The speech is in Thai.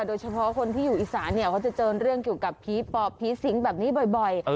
โดยเฉพาะคนที่อยู่อีสานเนี่ยเขาจะเจอเรื่องเกี่ยวกับผีปอบผีสิงแบบนี้บ่อย